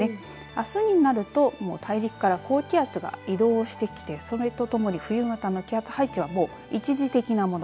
あすになると大陸から高気圧が移動してきてそれとともに冬型の気圧配置は一時的なもの